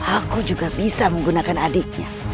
aku juga bisa menggunakan adiknya